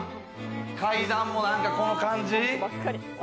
階段もなんかこの感じ。